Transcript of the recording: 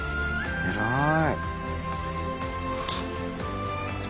偉い！